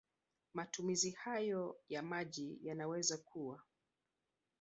Matumizi hayo ya maji yanaweza kuwa